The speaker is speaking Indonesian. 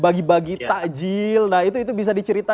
hasilnya mengajak untuk berbuka puasa bersama